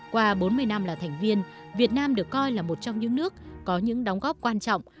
qua bốn mươi năm là thành viên việt nam được coi là một trong những nước có những đóng góp quan trọng